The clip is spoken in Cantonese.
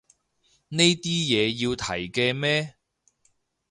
呢啲嘢要提嘅咩